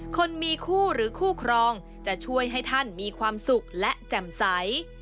คนมีคู่หรือคู่ครองจะช่วยให้ท่านมีความสุขและแจ่มใส